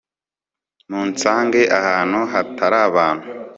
munsange ahantu hatarabantu